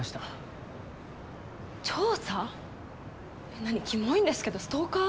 えっ何キモいんですけどストーカー？